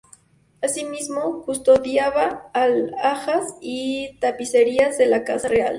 Asimismo custodiaba alhajas y tapicerías de la Casa Real.